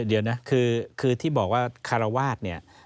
เดี๋ยวนะคือที่บอกว่าข่าราวาส